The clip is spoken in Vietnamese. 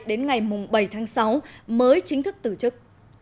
đến ngày bảy tháng sáu mới chính thức từ chức